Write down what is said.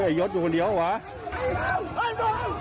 ไอ้ย้นอยู่คนเดียวไว้